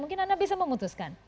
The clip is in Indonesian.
mungkin anda bisa memutuskan